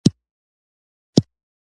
اشنا می رنځور دی